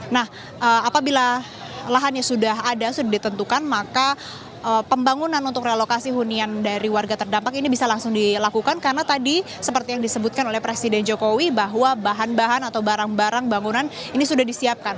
nah apabila lahannya sudah ada sudah ditentukan maka pembangunan untuk relokasi hunian dari warga terdampak ini bisa langsung dilakukan karena tadi seperti yang disebutkan oleh presiden jokowi bahwa bahan bahan atau barang barang bangunan ini sudah disiapkan